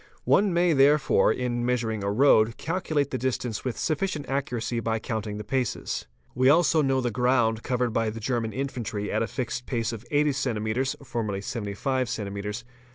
One may therefore in measuring a road calculate the distance with sufficient accuracy by _ counting the paces. We also know the ground covered by the German i infantry at a fixed pace of 80 cms. (formerly 75 cms.)